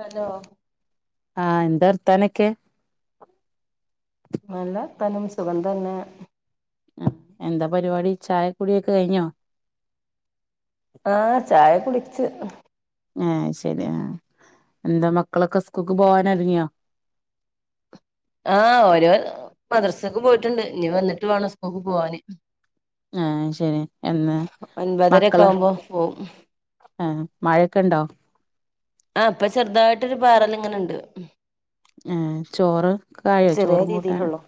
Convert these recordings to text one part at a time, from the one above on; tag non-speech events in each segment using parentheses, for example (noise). Hello. ആഹ് എന്താ വർത്തനൊക്കെ? നല്ല വർത്താനം സുഖം തന്നെ. മ്മ് എന്താ പരിപാടി ചായക്കുടിയൊക്കെ കഴിഞ്ഞോ? ആഹ് ചായ കുടിച്ചു ആഹ് ശരി ആ എന്താ മക്കളൊക്കെ സ്കൂക്ക് പോവാനങ്ങിയോ ആഹ് ഓരോർ മദ്രസക്ക് പോയിട്ടുണ്ട് ഇനി വന്നിട്ട് വേണം സ്കൂൾക്ക് പോവന് ആഹ് ശരി എന്ന ഒൻപതരൊക്കെ മേക്കള് ആവുമ്പോ പോവും ആഹ് മഴയൊക്കെ ഉണ്ടോ ആഹ് ഇപ്പ ചെറുതായിട്ടൊരു പാറൽ ഇങ്ങനെ ഉണ്ട് ആഹ് ചോറ് കായോ ചെറിയ ചോറും കൂട്ടാനും രീതിയിലുള്ളോ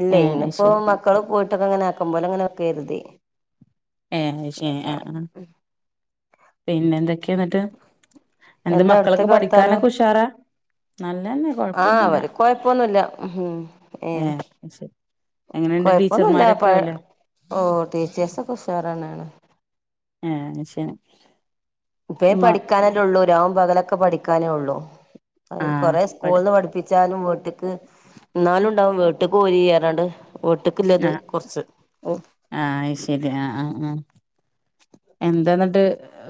ഇല്ലേ ഏഹ് അത് ഇന്നിപ്പോ ശരി മ മക്കൾ പോയിട്ടക്കെങ്ങന ആക്കു പോല അങ്ങനെയക്കെ കരുതി ഏയ് ഏ ശരി ആഹ് ആഹ് പിന്നെ എന്തൊക്കെയാ എന്നിട്ട് എന്ത് എന്താ മക്കളൊക്കെ അവിടത്തൊക്കെ വർത്താനം പഠിക്കാനൊക്കെ ഹുഷാറാ നല്ലതന്നെ ആഹ് കൊഴപ്പൊന്നുമില്ല അവര് കൊഴപ്പൊന്നുമല്ല ഉം ഏയ് ഏഹ് അത് ശരി എങ്ങനെയുണ്ട് കൊഴപ്പൊന്നുല്ല ടീച്ചർമാരൊക്കെ പഴ അല്ലേ ഓഹ് ടീച്ചേഴസൊക്കെ ഉഷാറന്നനാ ണ് ആഹ് ശേ (unintelligible) ഇപ്പേ പഠിക്കാനല്ലേ ഉള്ളൂ രാവും പകലൊക്കെ പഠിക്കാനേ ഉള്ളു അത് ആഹ് കൊറെ പഠി സ്കൂളന്ന് പഠിപ്പിച് വച്ചാലും വീട്ടിക്ക് എന്നാലും ഉണ്ടാവും വീട്ടക്ക് പോയി ചെയ്യറാണ്ട് വീട്ടക്ക്ല്ലത് കുറച്ച് ഓ ആ ശരി ആഹ് ആഹ് ആഹ് എന്താെന്നിട്ട്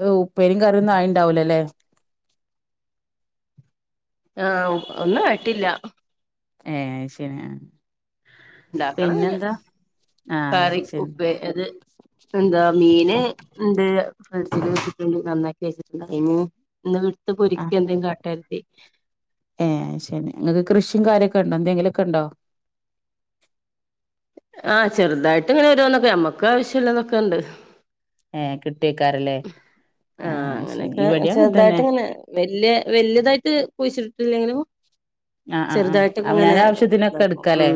ഉ ഉപേരി കരി ആയി ഉണ്ടാവല അല്ലേ അഹ് ഒന്നും അയ്ട്ടില്ല ഏ ശരി ആണ് ഉണ്ടാക്കണം അങ്ങനെ ആഹ് കറി ശരി ഉപ്പേ അത് എന്താ മീന് ഉണ്ട് ഫിഡ്ജ് വെച്ചിട്ടുണ്ട് നന്നാക്കി വെച്ചിട്ടുണ്ട് ആയി ഇന്ന് വിടുത്ത് പൊരിക്ക എന്തെങ്കും കാട്ടരുത്തി ഏ ശരി നിങ്ങക്ക് കൃഷിയും കാര്യക്കെ ഉണ്ടോ എന്തെങ്കിലുമൊക്കെ ഉണ്ടോ ആഹ്ചെറു തായിട്ട് ഇങ്ങനെ വരേ ന്നൊക്കെ നമ്മക്ക് ആവശ്യമില്ലന്നൊക്കെ ഉണ്ട് ഏ കിട്ടിയക്കാറല്ലേ ആ ശരി ഇവിടെ അങ്ങ തന്നെ വലിയ വലയതായിട്ട് പൊ ഴിച്ചിട്ടട്ടില്ലെങ്കിലും ആ് ആ ആ് അവനരു ആവശ്യത്തിനൊക്കെ ഇതാക്കും എടുക്കല്ലേ ഉം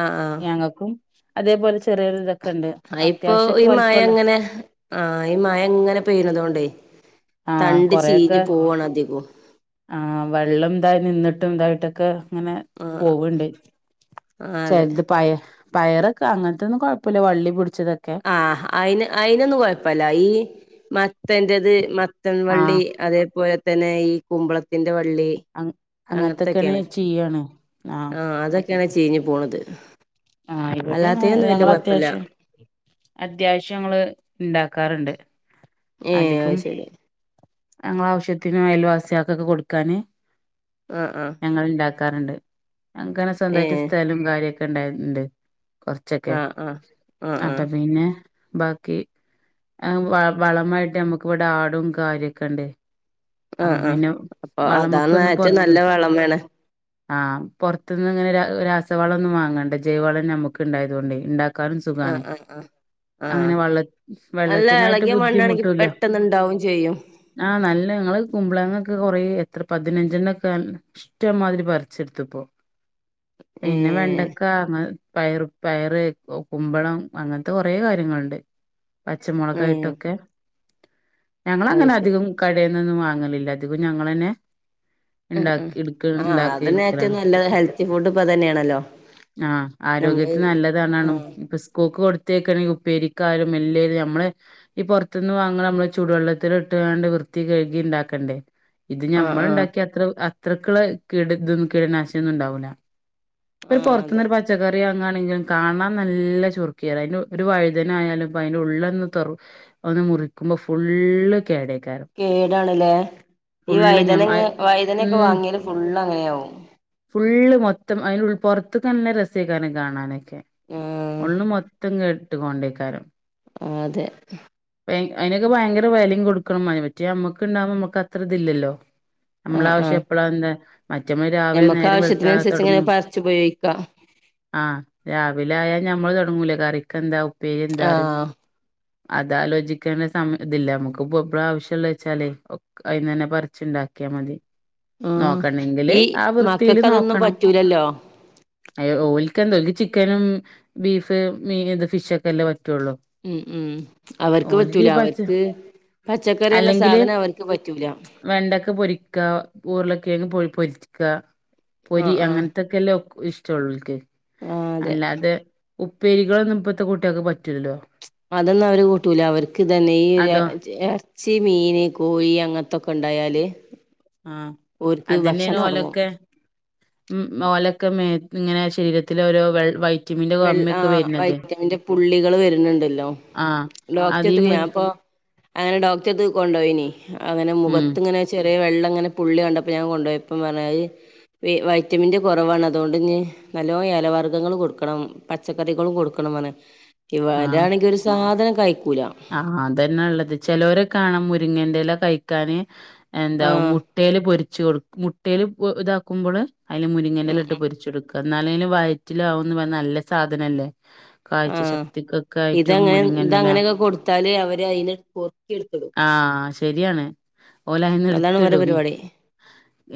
ആഹ് ഞങ്ങൾക്കും അതേപോലെ ചെറിയൊരുത ആ ഇപ്പോ ഈ മഴ അങ്ങനെ ആഹ ഈ മഴ ഇങ്ങനെ പെയ്യുന്നതോണ്ട് ആഹ് തണ്ട് ചീഞ്ഞ് പോവണ് അധികും ആ വെള്ളം ഇതായിടും നിന്നിട്ടും ഇതായിട്ടൊക്കെ ഇങ്ങനെ ആഹ് പോവണ്ട് ആഹ് അതെ ചിലത് പായ പയറൊക്കെ അങ്ങനത്തൊന്നും കുഴപ്പമില്ല വള്ളി പിടിച്ചതൊക്കെ ആഹ അയിന് അയിനൊന്നും കൊഴപ്പമില്ല ഈ മറ്റേന്റേത് മ ചത്തൻ ആഹ് വള്ളി അതേപോലെ തന്നെ ഈ കുമ്പളത്തിന്റെ വള്ളി അങ്ങ് അങ്ങനത്തൊക്കെയാണ് ചെയ്യാണ് ആഹ് ആഹ അതൊക്കെയാണ് ചേരിന്ന് പോണത് ആഹ ഇവിടെ അല്ലാത്തേനൊന്നും വല്യ ഞങ്ങ കൊഴപ്പല്ല അത്യാവശ്യം അത്യാവശ്യം ഞങ്ങള് ഇണ്ടാക്കാറുണ്ട് ഏഹ് അധികം അത് ശരി ഞങ്ങള ആവശ്യത്തിനന് അയൽവാസികക്കൊട് കൊടുക്കാന് ആ ആ ഞങ്ങൾ ഉണ്ടാക്കാറുണ്ട് അങ്ങനെ സ്വന്തമായിട്ട് ഏഹ് സ്ഥലം കാര്യക്കെ ഉണ്ടായിണ്ട് കുറച്ചൊക്കെ ആഹ് ആഹ് ആഹ് അപ്പൊ ആഹ് പിന്നെ ബാക്കി മം വ വളമായിട്ട് നമ്മുക്ക് ഇവിടെ ആടും കാര്യംക്കെ ഉണ്ടന് അപ്പ ആഹ് ആഹ് പിന്നെ അപ്പൊ വളമൊക്കെ അതാണ് ഒന്ന് ഏറ്റവും പൊറത്ത നല്ല വളമാണ് ആഹ് പുറത്തുനിന്ന് ഇങ്ങനെ രാ രാസവളം ഒന്നും വാങ്ങണ്ട ജൈവളം നമ്മുക്ക് ഉണ്ടായതുകൊണ്ട് ഇ കാൻ ആഹ് സുഖമാണ് ആഹ് ആഹ് ആഹ് അങ്ങനെ വെള്ള നല്ല വെള്ളത്തിനായിട്ട് എളകിയ മണ്ണാണെങ്കി ബുദ്ധിമുട്ടൂല്ല പെട്ടെന്നുണ്ടാവും ചെയ്യും ആഹ നല്ല നിങ്ങള് കുമ്പളങ്ങൊക്കെ കൊറെ എത്ര പതിനഞ്ചെണ്ണ ഒക്ക ഇഷ്ടമാതിരി പറി ച്ചെടുത്പ്പോ പിന്നെ ഏഹ് വേണ്ടക്ക അങ്ങ പയറു പയറ് കുമ്പളം അങ്ങനത്തെ കുറേ കാര്യങ്ങളുണ്ട് ഏഹ് പച്ചമുളകയിട്ടൊക്കെ അത് ഞങ്ങളങ്ങനെ ശരി അധികം കടേന്നൊന്നും വാങ്ങലില്ല അധികം ഞങ്ങളെന്നെ ഉം ഉം ആഹ് അതന്നെറ്റം നല്ല ഹെൽത്തി ഫുഡ് ഇപ്പതന്നെയാണല്ലോ ആഹ് ആരോഗ്യത്തി നല്ലതണണ ഇപ്പൊസ്കൂക്ക് കൊടു (unintelligible) ഉപ്പേരിക്കാലും എല്ലെലും നമ്മളെ ഈ പുറത്തുന്ന് വാങ്ങണ നമ്മള് ചുടുവെള്ളത്തിട്ട് കാണ്ട് വൃത്തികയ്കിണ്ടാക്കണ്ടേ ഇത് ആഹ് ആഹ് ഞമ്മള്ണ്ടാക്കിയ അത്ര അത്രക്കുള്ള കീട ഇതൊന്നു കീടനാശിനൊന്നും ഇണ്ടാവൂല ഒരു ആഹ് അതെ പൊറത്തുന്നൊരു പച്ച പച്ചക്കറി വാങ്ങാണെങ്കിലും കാണാൻ നല്ല ചെർക്കയാ അതിന് ഒരു വഴുതനായാലും ഇപ്പ അയിന്റെള്ളൊന്ന് തെറു ഒന്ന് മുറിക്കുമ്പോ ഫുള്ള് കേടക്കാരം കേടാണല്ലേ ഈ ഞ വൈതനങ്ങ വൈതനൊക്കെ ഉം വാങ്ങിയല് ഫുള്ള് അങ്ങനെയവും ഫുള്ള് മൊത്തം അയിൻ്റുൾ പുറത്തല്ല രസയിക്കാര കാണാനായി ആഹ് ഉള്ള് മൊത്തം കെട്ട് കൊണ്ടേയ്ക്കാരും ആഹ്തെ അയിനൊക്കെ ഭയങ്കര വെലയും കൊടുക്കണം അതിപറ്റേ നമ്മക്ക് ഉണ്ടാവുമ്പോ നമ്മക്കത്ര ഇതില്ലല്ലോ നമ്മള ആഹ് ആവശ്യം ആഹ് എപ്പളാന്താ മറ്റമ്മ രാവിലെ നേര വെളുത്താ തൊടങ്ങും ഉപയോയ്ക്കാ ആഹ് രാവിലെ ആയാൽ ഞമ്മള് തൊടങ്ങൂലേ കറിക്കെന്താ ഉപ്പേരി എന്താറി ആഹ് അതാലോചിക്കേണ്ട സമയ ഇതില്ല നമ്മക്ക് എപ്പഴാ ആവശ്യള്ളച്ചാലേ അയിൽലെന്നെ പർച്ചുണ്ടാക്കിയാ മതി ആഹ് നോക്കണെങ്കില് ആ വൃത്തിയില് നോക്കണം ല്ലല്ലോ അഹ് ഓൽക്ക് എന്തോക്ക് ചിക്കനും ബീഫ് മീൻ ഇത് ഫിഷൊക്കെ അല്ലേപറ്റുള്ളൂ ഉം ഉം അവർക്ക് പറ്റൂല അവർക്ക് പച്ചക്കറിന്ന അല്ലെങ്കില് സാധനം അവർക്ക് പറ്റൂല വെണ്ടക്ക പൊരിക്ക ഉരുളകെയങ്ങ് പൊരി പൊരിക്ക പൊരി ആഹ് ആഹ് അങ്ങനത് ഇതൊക്കെല്ല ഇഷ്ടള്ളോൽക്ക് ആഹ് അതെ അല്ലാതെ ഉപ്പേരികളൊന്നും ഇപ്പഴത്തെ കുട്ടിയോൾക്ക് പറ്റൂലല്ലോ അതൊന്നും അവര് കൂട്ടൂല അവർക്കിതന്നെ ഈ അതോ ചി എർ എർച്ചി മീന് കോയി അങ്ങത്തൊക്കെ ഇണ്ടായാല് ആഹ് അതന്നെയാണ് ഇറങ്ങും ഓലൊക്കെ ഉം ഓലൊക്കെ മേ ഇങ്ങനെ ശരീരത്തിലോരോ വെൾ വൈ വെള്ള ആഹ് വൈറ്റമിന്റെ പുള്ളികള് വെര്ന്നുണ്ടല്ലോ ആഹ് അതീ ഡോക്ടർത്ത ഞാൻ മുരി ഇപ്പൊ അങ്ങനെ ഡോക്ടർത്ത് കൊണ്ടോയിനി അങ്ങനെ ഉം മുഖത്തിങ്ങനെ ചെറിയ വെള്ള അങ്ങനെ പുള്ളി കണ്ടപ്പോ ഞാൻ കൊണ്ടോയപ്പം പറഞ്ഞത് വ വൈറ്റമിൻ്റെ കൊറവാണ് അതോണ്ട് നി നല്ലോ എലവർഗ്ഗങ്ങള് കൊടുക്ക് പച്ചക്കറികള് കൊടുക്കണം ഇവരാണെങ്കി ഒരു സാധനം കഴിക്കൂല അതന്നെള്ളത് ചിലോരെ കാണാം മുരിങ്ങന്റെല കഴിക്കാന് എന്താ മുട്ട ആഹ് മുട്ടേല് പൊരിച്ച് കൊടുക്കു മുട്ടേല് ഇതാക്കുമ്പോള് അയില് ഉം മുരിങ്ങൻ്റെല ഇട്ട് ഉം പൊരിച്ചൊടുക്കും എന്നാലെലും വയറ്റിലവുന്നറഞ്ഞ് നല്ല സാധനല്ലേ കാഴ്ച ആഹ് ശക്തിക്കൊക്കയായിറ്റും മുരിങ്ങൻ്റെല ഇട്ടല് അവര് അയിനെ പൊറക്കിയെടുത്തിടും ആഹ് ശെരിയാണ് ഓലയിന്ന് അതാണ് ഇവരെ എടുത്തിടും പരിപാടി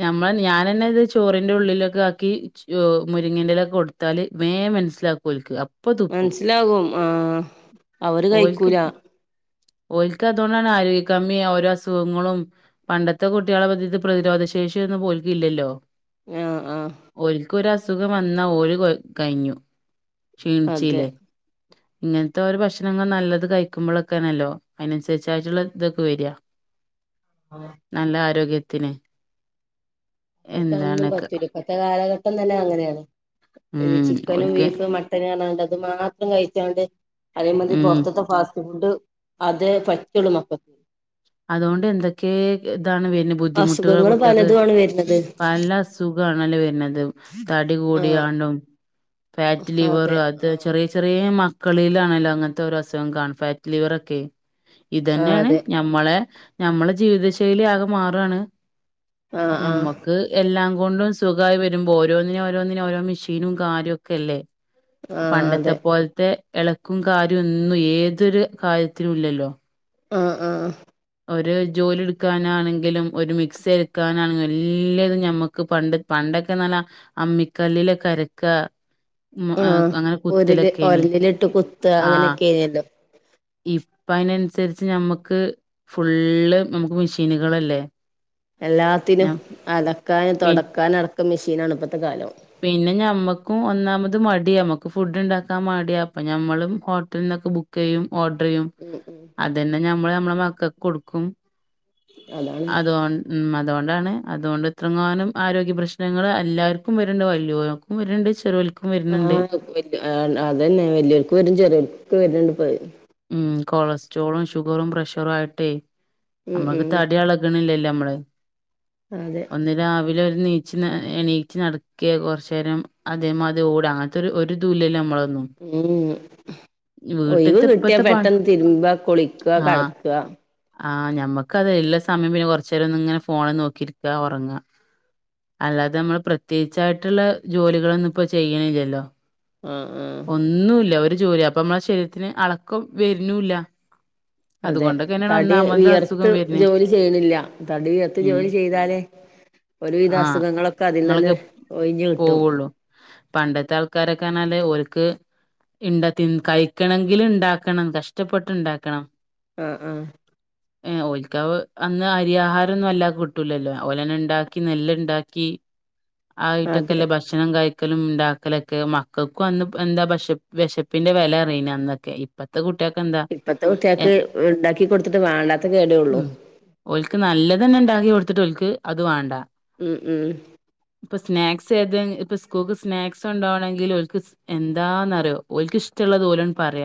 ഞമ്മള് ഞാനന്നെ ഇത് ചോറിന്റെ ഉള്ളിലൊക്കെ ആക്കി മുരിങ്ങേന്റെല കൊടു ത്താല് വേ മനസ്സിലാക്കോൽക്ക് മനസ്സിലാകും ആഹ് അവര് കയിക്കൂല ഓൽക്കതോണ്ടാണ് ആരോഗ്യകമ്മി ഓരോ അസുഖങ്ങളും പണ്ടത്തെ കുട്ടികളെത് പ്രതിരോധശേഷി ഒന്നും ഓൽക്കില്ലല്ലോ ആഹ് ആഹ് ഓൽക്ക് ഒരു അസുഖം വന്നാ ഓര് കെ കയിഞ്ഞു അതെ ക്ഷീണിച്ചില്ലേ ഇങ്ങനത്തെ ഒരു ഭക്ഷണം നല്ലത് കയിക്കുമ്പോഴൊക്കാണല്ലോ അയിനനുസരിച്ചായിട്ടുള്ള ഇതൊക്കെ വരിക അതെ നല്ല ആരോഗ്യത്തിന് അവർക്കെന്നും എന്താണ്ക്ക പറ്റൂല ഇപ്പത്തെ കാലഘട്ടം തന്നെ അങ്ങനെയാണ് ഉം ചിക്കനും ഓൽക്ക് ബീഫും ണ്ട് അത് മാത്രം കഴിച്ചാണ്ട് അതേ മാതിരി ഉം പുറത്തത്തെ ഫാസ്റ്റ് ഫുഡ് അതെ പറ്റുള്ളൂ മക്ക അതുകൊണ്ട് എന്തൊക്കെ ഇതാണ് പിന്നെ ബുദ്ധിമുട്ടുകൾ അസുഖങ്ങള് കുട്ടികൾക്ക് പലതും ആണ് വരുന്നത് പല അസു സുഖാണല്ലോ വരുന്നത് തടി കൂടിയാണ്ടും ഫാറ്റ് ആഹ് ലിവർ അതെ അത് ആഹ് ചെറിയ ചെറിയ മ കളിയിലാണല്ലോ അങ്ങനത്തെ അസുഖം കാണ ഫാറ്റ് ലിവറൊക്കെ ഇത് തന്നെയാണ് അതെ നമ്മളെ നമ്മളെ ജീവിത ശൈലി ആകെ മാറുവാണ് ആഹ് ആഹ് നമ്മക്ക് ക്ക് എല്ലാം കൊണ്ടും സുഖായി വരുമ്പോ ഓരോന്നിനും ഓരോന്നിനും ഓരോ മെഷീനും കാര്യം ഒക്കെല്ലേ ആഹ് അതെ പണ്ടത്തെ പോലത്തെ ഇളക്കും കാര്യം ഒന്നും ഏതൊരു കാര്യത്തിനും ഇല്ലല്ലോ ആഹ് ആഹ് ഒരു ജോലി എടുക്കാനാണെങ്കിലും ഒരു മിക്സി എടുക്കാനാണെങ്കിലും എല്ലാതും ഞമ്മക്ക് പണ്ട് പണ്ടൊക്കെ നല്ല അമ്മിക്കല്ലിലൊക്കെ അരക്ക മ് ആ ആഹ് അങ്ങന ഒരില് കുത്തലൊക്കെയ്നി ഒരലിലിട്ട് കുത്ത ആഹ് (unintelligible) ഇപ്പയിനൻസരിച്ച് ഞമ്മക്ക് ഫുള്ള് നമുക്ക് മിഷീനുകളല്ലെ എല്ലാത്തിനു അലക്കാൻ പി തൊടക്കാനടക്കം മിഷീനാണ് പ്പത്തെ കാലൊ പിന്ന ഞമ്മക്കു ഒന്നാമത് മടിയാ മ്മക്ക് ഫുഡ്ണ്ടാക്കാ മടിയപ്പ ഞമ്മളും ഹോ ത്‌ന്നൊക്ക ബുക്കെയ്യും ഓഡ്രെയ്യും ഉം ഉം അതെന്നെ ഞമ്മള് ഞമ്മള മക്കക്കൊടുക്കും അതാണ് അതോൺ ഉം അതുകൊണ്ടാണ് ഉം ഉം ഉം ഉം അതുകൊണ്ടാണ് അത് കൊണ്ടെത്രങ്ങാനും ആരോഗ്യ പ്ര്രശ്നങ്ങ എല്ലാര്ക്കും വരു രണ്ട് വല്ല്യോക്കു വിരണ്ട് ചെറുൽ ആഹ് അതന്നെ വലിയോർക്കും വരും ചെറിയോർക്കും വരണ്ട് ഇപ്പ ഉം കൊളസ്ട്രോളും ഷുഗറും പ്രഷറും ആയിട്ടേ ഉം ഉം നമ്മൾക്ക് തടി അള ട്ണ്ല്ലല്ലൊ മ്മള് ആതെ രാവിലെ ഒരുനീച്ച് എണീച്ച് നടക്കെ കൊർച്ചേരം അതേ മാതി ഓടാ ആ ത്തൊരു ഒരു ദൂല്ലല്ലൊ അമ്മളൊന്നും ഊ ഉം ഒഴിവ് കിട്ട്യാ ഇപ്പത്തെ പണി പെട്ടെന്ന് തിര്മ്പാ കുളിക്കാ ആഹ്. കെടക്കാ ആഹ് ഞമ്മക്കത് ള്ള സമയം പിന്ന കൊർച്ചേര ഒന്ന്ങ്ങന ഫോണ് നോക്കിരിക്കാ ഒറങ്ങ അല്ലാതെമ്മൾ പ്രത്യേയിച്ചായിട്ട്ള്ള ജോലികളൊന്നുപ്പ ചെയ്യായ്ല്ലല്ലൊ ആ ആഹ് ന്നൂല്ല ഒരു ജോലിയു അപ്പൊ മ്മള ശരീത്തിന് അളക്കം വെര്ന്നുല്ല അതെ തടി വിയർത്ത് വരുന്നെ ജോലി ചെയ്യ്ണില്ല തടി വിയർത്ത് ഉം ജോലി ചെയ്താലേ ഒരുവിദ ആഹ് അസുഗങ്ങളൊക്ക തിൽന്നെന്നെ ഇങ്ങളൊക്കെ ഒഴിഞ്ഞ് കിട്ടും പോവുള്ളൂ പണ്ടത്തെ ആൾക്കാരൊക്കാ ണേല് ഓൽക്ക് ഇണ്ടത്തിൻകയ് ക്കണെങ്കില് ണ്ടാക്കണം കഷ്ടപ്പെട്ട് ണ്ടാക്കണം ആ ആഹ് (inaudible) ഏ ഓൽക്കാവ് അന്ന് അരി ആഹാരം ഒന്നു അല്ലാ കിട്ടൂലല്ലോ ഓലന്ന ണ്ടാക്കി നെല്ല്ണ്ടാക്കി അതെ ആയ്ടെക്കല്ലെ ബഷ് ക്ഷണം കഴിക്കലും ണ്ടാക്കലൊക്കെ മക്കക്കു അന്ന് പ ന്താ പശ്‌ വെശപ്പിന്റെ വെല റെയിനന്നൊക്കെയ് പത്ത് കുട്ട്യേക്കെന്താ ഇപ്പത്തെ കുട്ട്യാക്ക് ഉണ്ടാക്കി കൊട്ത്തിട്ട് വാണ്ടാത്ത കേടേ ഉള്ളൂ ഉം ഓൽക്ക് നല്ലതെന്നെ ണ്ടാക്കി കൊട്ത്തിട്ട് ഒൽക്ക് അത് വാണ്ട ഉ ഊം പ്പൊ സ്നാക്സ് ഏത ഇപ്പ സ്കൂക്ക് സ്നാക്സുണ്ടോവണെങ്കിലോ ൽക്ക് സ് എന്താന്നറ്യൊ ഓൽക്കിഷ്ടള്ളത് ഓലൺ പറയ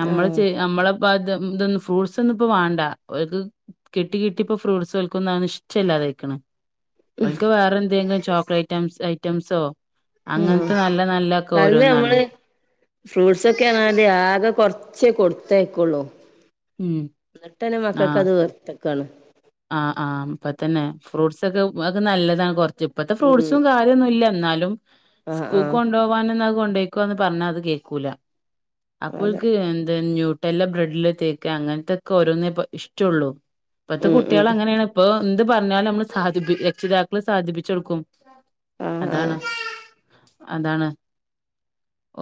ഞമ്മള് ആഹ് ചെ നമ്മള് പ്പ ത് ഉ തൊന്ന് ഫ്രൂട്ട്സൊന്നു പ്പ വാണ്ട ഓൽക്ക് കിട്ടി കിട്ടി പ്പൊ ഫ്രൂട്ട്സൊൽക്കൊന്ന ഒന്നിഷ്ടല്ലാതായിക്ക്ണ് ഓൽക്ക് വേറെന്തെങ്കിൽ ചോക്ലേറ്റം സ് ഐറ്റംസോ ആഹ് അങ്ങൻത്ത നല്ല നല്ല ക്കോരോന്നാണ് ഫ്രൂട്ട്സൊക്കെ നാല് ആക കൊർച്ചെ കൊട്ത്തയക്കുള്ളൂ ഉം ന്ന്ട്ടെന്നെ ആ മക്കക്കത് വെർത്ത്ക്കാണ് ആഹ് ആം പ്പത്തന്നെ ഫ്രൂട്ട്സൊക്കെ വക നല്ലതാ കൊർച്ച് പ്പത്തെ ഉം ഫ്രൂട്ട്സും കാ തുന്നുല്ല ന്നാലും ആഹ് ആഹ് സ്കൂക്കൊണ്ടോവാന്‌ന്നഅ കൊണ്ടോയ്ക്കൊന്ന് പർഞ്ഞാത് കേക്കൂല അതെ അപ്പോൽക്ക് എന്തെഞ്ഞു ട്ടല്ല ബ്രെഡില് തേക്ക അങ്ങൻത്തൊക്കോരോന്നേ പ്പ ഇഷ്ടുള്ളൂ പ്പത്തെ ഉം കു ഉം (unintelligible) പ്പോ ന്ത് പർഞ്ഞാലു മ്മള് സാധിപ്പി എക്ഷിതാക്കള് സാധിപ്പിച്ചൊടുക്കും ആഹ് അതാണ് ആഹ് അതാണ്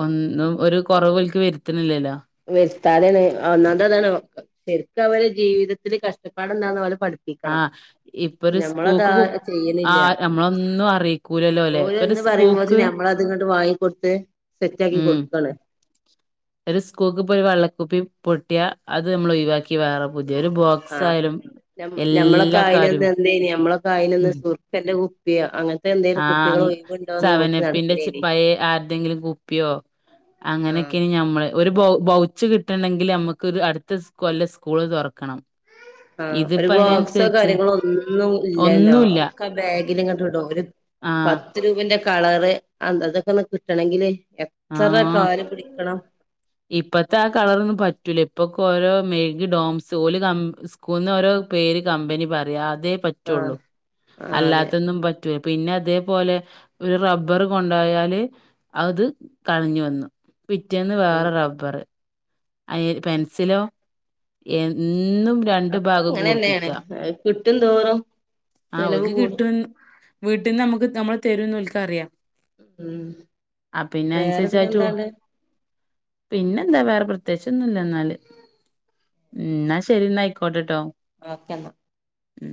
ഒന്നും ഒരു കൊറവോ ൽക്ക് വരുത്ത്ണ്ല്ലേലോ വെരുത്താതെണ് ഒന്നാ (unintelligible) ശരിക്കവര് ജീവിതത്തില് കഷ്ടപ്പാട്ണ്ടാന്ന വല് പട് ആഹ് ഇപ്പൊരു സ്കൂക്ക് കു ആ ചെയ്യണില്ല നമ്മളൊന്നു അറീക്കൂ ഉരല്ലോലെ പ്പൊരു സ്കൂക്ക് അത്ങ്ങട്ട് വങ്ങി കൊടുത്ത് സെറ്റക്കി ഉം കൊടുക്കള (inaudible) ഒരു സ്കൂൾക്ക് പോയാ ഒരു വെള്ളക്കുപ്പി പൊട്ടിയാ അത് മ്മള് ഒയിവാക്കി വേറെ പുതിയ ഒരു ബോ ആ കാര്യം നമ്മളൊക്കൊയയിന്നെന്തേയിന് എന്ത നമ്മളൊക്കെയിനൊന്ന് സുർക്കന്റെ കുപ്പി ആ നോക്കി സെവനപ്പിന്റെ ചെറി നടക്കലേനി പയേ ആർതെങ്കിലും കുപ്പിയോ ആഹ് അങ്ങനെയൊക്കെനി ഞമ്മള് ഒരു ബൗച്ച് കിട്ടണണ്ടെങ്കിൽ നമുക്ക് അടുത്ത സ് കൊല്ലം സ്കൂള് തൊറക്കണം ആ ഒരു ബോക്സോ കാര്യങ്ങളോ ഒന്നും ഇല്ലല്ലോ ഒന്നുല്ല ഒക്ക ബേഗിലിങ്ങാട്ട് വിടും ഒരു ആഹ് പത്ത് രൂപന്റെ കളറ് അന്ത അതൊക്കെയൊന്നു കിട്ടണെങ്കില് എത്ര ആഹ് കാല് പിടിക്കണം ഇപ്പത്തെ ആ കളറൊന്നും പറ്റൂല ഇപ്പൊക്ക ഓരോ മെയ്ഗ് ഡോംസ് ഓല് സ്കൂള്ന്നു ഓരോ പേര് കമ്പനി പറയാ അതേ ആഹ് പറ്റുള്ളൂ ആഹ് അതെ അല്ലാത്തൊന്നും പറ്റു പിന്നെ അതേപോലെ ഒരു റബ്ബറ് കൊണ്ടായാല് അത് കളഞ്ഞു വന്നു പിറ്റേന്ന് വേറെ റബ്ബറ് അയെ പെൻസിലോ എന്നും രണ്ടു ഭാഗം കൂർപ്പിക്കുവാ കിട്ടുംന്തോറും ആ ഓലിക്ക് കിട്ടും വീട്ടിൽന്ന് നമുക്ക് നമ്മള് തരുംന്ന് ഓലിക്കു അറിയാം ഉം ആ പിന്നെ വേറെ പിന്നെ അനുസരിച്ചായിട്ടു എന്താണ്ട് പിന്നെന്താ വേറെ പ്രത്യേകിച്ചൊന്നുംല്ല ന്നാല് മ്മ് ന്നാ ശരി ന്നാ ആയിക്കോട്ടെട്ടോ ഓക്കെന്നാ ഉം